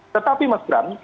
tetapi mas bram